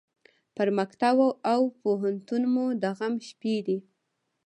پر مکتب او پوهنتون مو د غم شپې دي